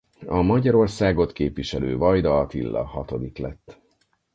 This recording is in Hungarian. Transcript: A Magyarországot képviselő Vajda Attila hatodik lett.